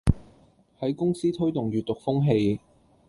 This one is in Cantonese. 喺公司推動閱讀風氣